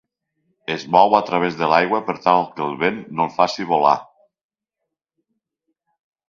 Es mou a través de l'aigua per tal que el vent no el faci volar.